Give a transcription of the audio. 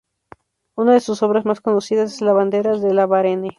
Una de sus obras más conocidas es "Lavanderas de La Varenne".